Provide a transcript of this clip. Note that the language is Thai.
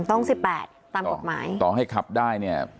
ต้องสิบแปดตามกฎหมายต่อให้ขับได้เนี่ย